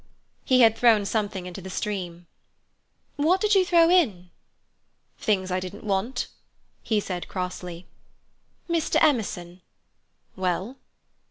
He had thrown something into the stream. "What did you throw in?" "Things I didn't want," he said crossly. "Mr. Emerson!" "Well?"